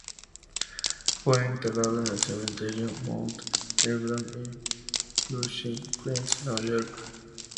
Fue enterrado en el Cementerio Mount Hebron en Flushing, Queens, Nueva York.